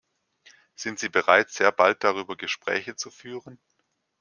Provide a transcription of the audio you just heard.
Sind Sie bereit, sehr bald darüber Gespräche zu führen?